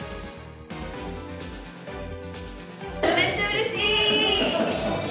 めっちゃうれしい！